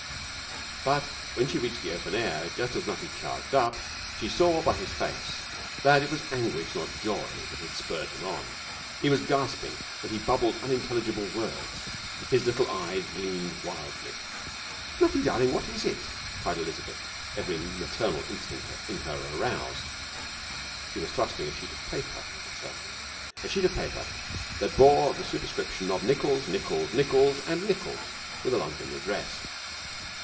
But when she reached the open air, just as Nutty charged up, she saw by his face that it was anguish not joy that had spurred him on. He was gasping and he bubbled unintelligible words. His little eyes gleamed wildly. 'Nutty, darling, what is it?' cried Elizabeth, every maternal instinct in her aroused. He was thrusting a sheet of paper at her, a sheet of paper that bore the superscription of Nichols, Nichols, Nichols, and Nichols, with a London address.